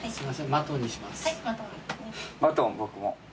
マトン僕も。